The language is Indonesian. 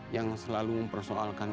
yang selalu mempersoalkan